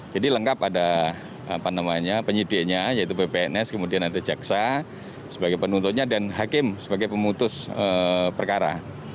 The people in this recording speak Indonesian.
jadi lengkap ada penyidiknya yaitu ppns kemudian ada jaksa sebagai penuntutnya dan hakim sebagai pemutus perkara